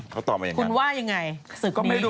เขาตอบมาอย่างนั้นคุณว่ายังไงสึกนี้